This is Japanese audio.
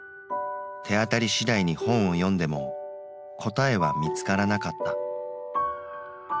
手当たりしだいに本を読んでも「答え」は見つからなかった。